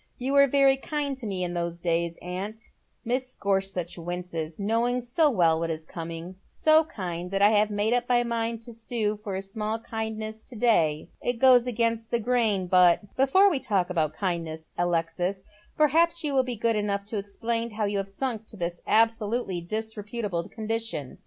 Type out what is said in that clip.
You were veiy kind to me in those days, aunt," — Mrs. Gorsuch winces, knowing so well what is coming —" so kind that I have made up my mind to sue for a small kindness to day. It goes against the grain, but "" Before we talk about kindnesses, Alexis, perhaps you will be good enough to explain how you have sunk to this absolutely disreputable condition